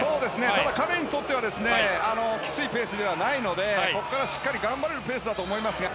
彼にとってはきついペースではないので、ここからしっかり頑張れるペースだと思います。